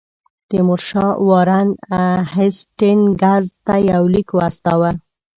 تیمورشاه وارن هیسټینګز ته یو لیک واستاوه.